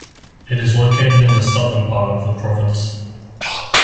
It is located in the southern part of the province.